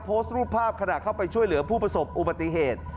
โพสต์รูปภาพขณะเข้าไปช่วยเหลือผู้ประสบอุบัติเหตุ